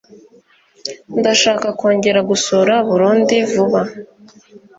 Ndashaka kongera gusura Burundi vuba.